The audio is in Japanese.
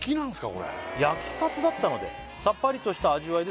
これ「焼きかつだったのでさっぱりとした味わいで」